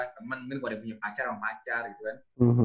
temen mungkin kalau dia punya pacar sama pacar gitu kan